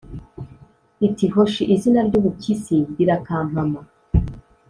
iti:”hoshi! izina ry' ubupyisi rirakampama!